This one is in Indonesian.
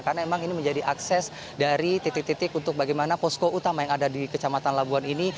karena memang ini menjadi akses dari titik titik untuk bagaimana posko utama yang ada di kecamatan labuan ini